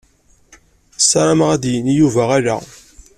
Sarameɣ ad d-yini Yuba ala.